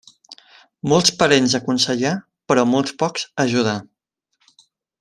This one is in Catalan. Molts parents a aconsellar, però molt pocs a ajudar.